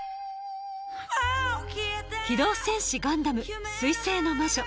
「機動戦士ガンダム水星の魔女」